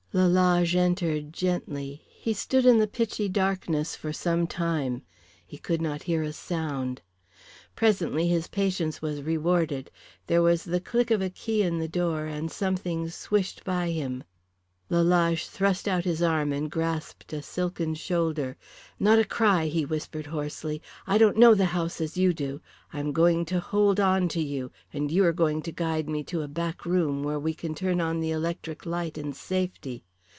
Lalage entered gently. He stood in the pitchy darkness for some time. He could not hear a sound. Presently his patience was rewarded. There was the click of a key in the door and something swished by him. Lalage thrust out his arm and grasped a silken shoulder. "Not a cry," he whispered, hoarsely. "I don't know the house and you do. I am going to hold on to you, and you are going to guide me to a back room where we can turn on the electric light in safety.